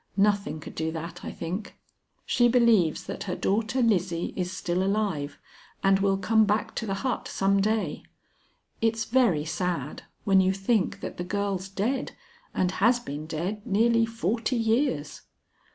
Nothing could do that, I think. She believes that her daughter Lizzie is still alive and will come back to the hut some day. It's very sad when you think that the girl's dead, and has been dead nearly forty years."